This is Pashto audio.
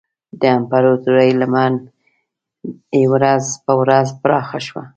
د امپراتورۍ لمن یې ورځ په ورځ پراخه شوه.